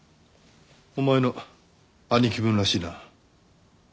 お前の兄貴分らしいな。